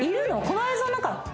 この映像の中？